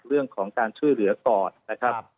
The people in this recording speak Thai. เรื่องของการช่วยเหลือก่อนนะครับ